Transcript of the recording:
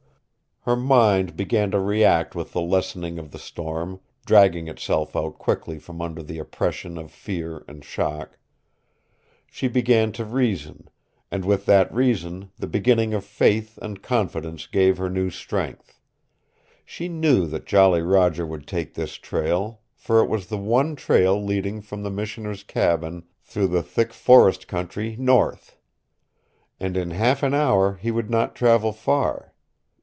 Her mind began to react with the lessening of the storm, dragging itself out quickly from under the oppression of fear and shock. She began to reason, and with that reason the beginning of faith and confidence gave her new strength. She knew that Jolly Roger would take this trail, for it was the one trail leading from the Missioner's cabin through the thick forest country north. And in half an hour he would not travel far.